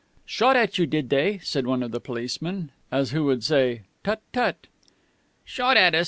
"Shot at you, did they?" said one of the policemen, as who should say, "Tut, tut!" "Shot at us!"